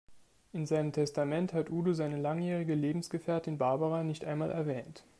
In seinem Testament hat Udo seine langjährige Lebensgefährtin Barbara nicht einmal erwähnt.